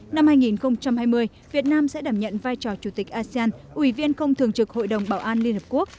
năm hai nghìn hai mươi việt nam sẽ đảm nhận vai trò chủ tịch asean ủy viên không thường trực hội đồng bảo an liên hợp quốc